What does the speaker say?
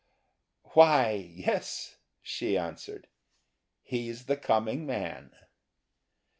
"Why, yes," she answered, "he's the coming man."